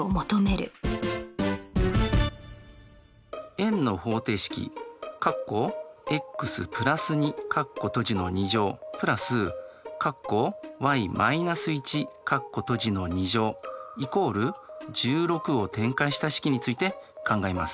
円の方程式＋＝１６を展開した式について考えます。